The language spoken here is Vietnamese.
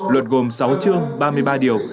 luật gồm sáu chương ba mươi ba điều